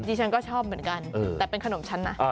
ฉันก็ชอบเหมือนกันแต่เป็นขนมฉันนะ